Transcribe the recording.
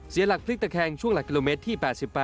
เสียหลักพลิกตะแคงช่วงหลักกิโลเมตรที่๘๘